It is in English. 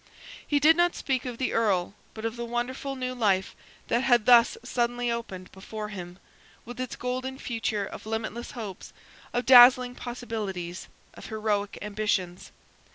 He did not speak of the Earl, but of the wonderful new life that had thus suddenly opened before him, with its golden future of limitless hopes, of dazzling possibilities, of heroic ambitions.